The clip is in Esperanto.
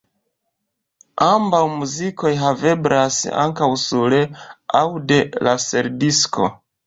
Ambaŭ muzikoj haveblas ankaŭ sur aŭd-laserdisko.